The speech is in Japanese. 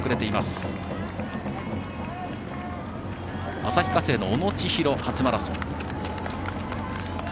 旭化成の小野知大、初マラソン。